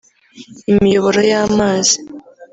imiyoboro y’amazi